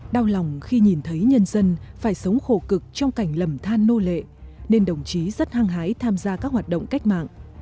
đau lòng khi nhìn thấy nhân dân phải sống khổ cực trong cảnh lầm than nô lệ nên đồng chí rất hăng hái tham gia các hoạt động cách mạng